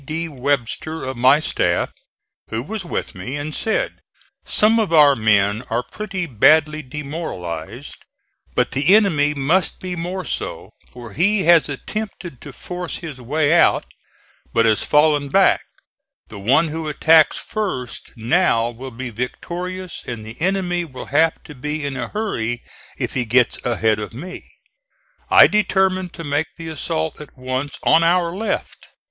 D. Webster, of my staff, who was with me, and said: "Some of our men are pretty badly demoralized, but the enemy must be more so, for he has attempted to force his way out, but has fallen back: the one who attacks first now will be victorious and the enemy will have to be in a hurry if he gets ahead of me." I determined to make the assault at once on our left.